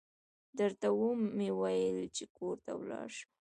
درته و مې ويل چې کور ته ولاړه شه.